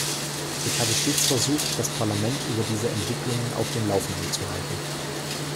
Ich habe stets versucht, das Parlament über diese Entwicklungen auf dem Laufenden zu halten.